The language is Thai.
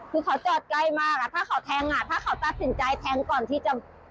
คือเขาจอดใกล้มากถ้าเขาแทงก่อนที่จะ